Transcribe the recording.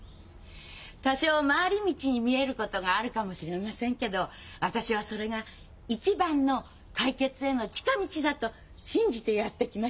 多少回り道に見えることがあるかもしれませんけど私はそれが一番の解決への近道だと信じてやってきました。